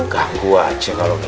gak buat sih kalo gitu